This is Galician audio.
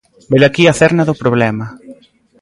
Velaquí a cerna do problema.